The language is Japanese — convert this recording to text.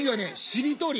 しりとり。